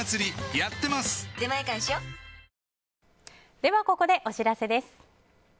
ではここでお知らせです。